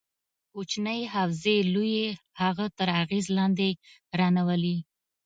کوچنۍ حوزې لویې هغه تر اغېز لاندې رانه ولي.